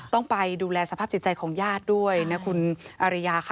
ต้องไปดูแลสภาพจิตใจของญาติด้วยนะคุณอาริยาค่ะ